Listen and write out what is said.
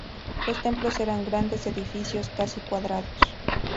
Los templos eran grandes edificios casi cuadrados.